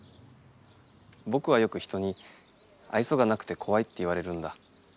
ぼくはよく人にあいそがなくてこわいって言われるんだ。